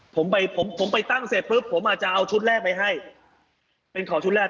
ผมไปผมผมไปตั้งเสร็จปุ๊บผมอาจจะเอาชุดแรกไปให้เป็นของชุดแรก